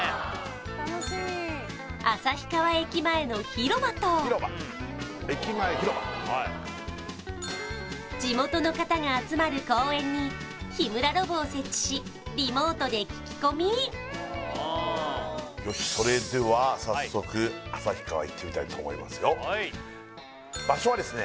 旭川駅前の広場と地元の方が集まる公園に日村ロボを設置しリモートで聞き込みよしそれでは早速旭川いってみたいと思いますよ場所はですね